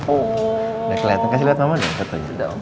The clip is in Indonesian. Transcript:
udah keliatan kasih liat mama deh fotonya